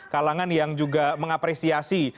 kalangan yang juga mengapresiasi